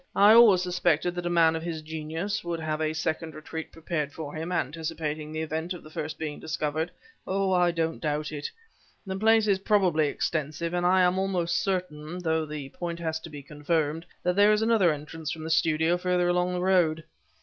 "I always suspected that a man of his genius would have a second retreat prepared for him, anticipating the event of the first being discovered. Oh! I don't doubt it! The place probably is extensive, and I am almost certain though the point has to be confirmed that there is another entrance from the studio further along the road.